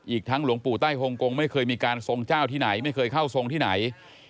อีกทั้งหลวงปู่ใต้ฮงกงไม่เคยมีการทรงเจ้าที่ไหนไม่เคยเข้าทรงที่ไหน